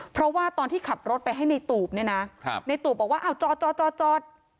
เพราะว่าตอนที่ขับรถไปให้ในตูบเนี่ยนะในตูบบอกว่าอ้าวจอจอด